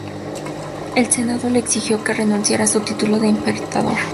El Senado le exigió que renunciara a su título de "imperator".